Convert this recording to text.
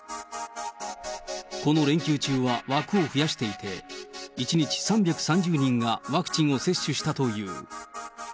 この連休中は枠を増やしていて、１日３３０人がワクチンを接種したという。